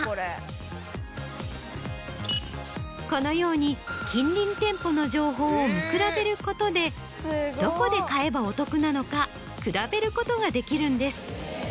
このように。を見比べることでどこで買えばお得なのか比べることができるんです。